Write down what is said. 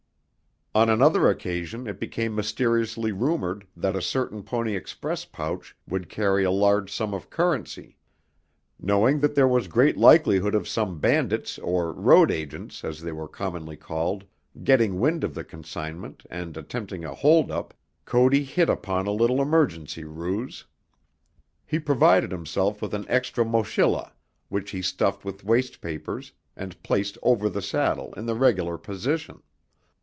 On another occasion it became mysteriously rumored that a certain Pony Express pouch would carry a large sum of currency. Knowing that there was great likelihood of some bandits or "road agents" as they were commonly called getting wind of the consignment and attempting a holdup, Cody hit upon a little emergency ruse. He provided himself with an extra mochila which he stuffed with waste papers and placed over the saddle in the regular position.